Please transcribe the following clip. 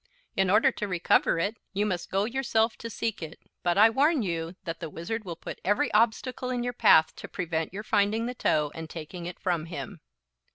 In order to recover it you must go yourself to seek it; but I warn you that the Wizard will put every obstacle in your path to prevent your finding the toe and taking it from him."